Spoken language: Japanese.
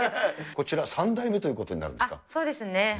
こちら３代目ということになそうですね。